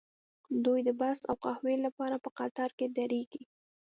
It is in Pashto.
دوی د بس او قهوې لپاره په قطار کې دریږي